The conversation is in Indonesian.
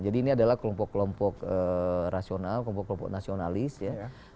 jadi ini adalah kelompok kelompok rasional kelompok kelompok nasionalis ya